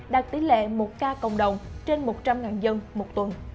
đạt tỷ lệ một ca cộng đồng trên một trăm linh dân một tuần